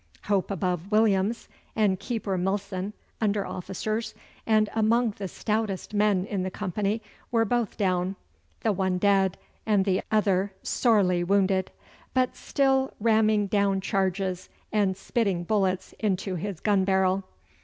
Hope above Williams and Keeper Milson, under officers, and among the stoutest men in the company, were both down, the one dead and the other sorely wounded, but still ramming down charges, and spitting bullets into his gun barrel.